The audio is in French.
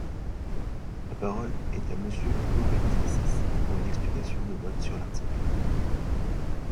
La parole est à Monsieur Ugo Bernalicis, pour une explication de vote sur l’article.